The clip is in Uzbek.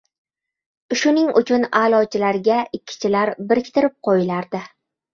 Shuning uchun a’lochilarga ikkichilar biriktirib qo‘yilardi.